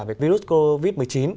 về virus covid một mươi chín